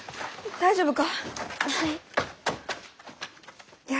大丈夫か？